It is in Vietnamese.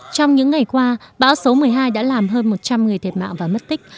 trong những ngày qua bão số một mươi hai đã làm hơn một trăm linh người thiệt mạng và mất tích